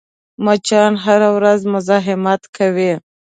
مچان هره ورځ مزاحمت کوي